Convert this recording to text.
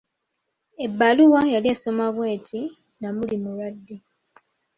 Ebbaluwa yali esoma bw'eti; Namuli mulwadde.